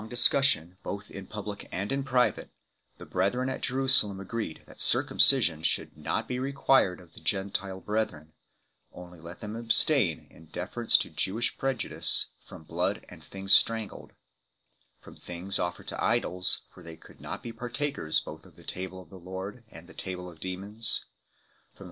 discussion, both in public and in private, the brethren at Jerusalem agreed that circumcision should not be required of the Gentile brethren ; only let them abstain, in defer ence to Jewish prejudice, from blood and things strangled ; from things offered to idols, for they could not be partakers both of the Table of the Lord and the table of demons ; from the